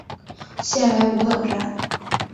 现为五等站。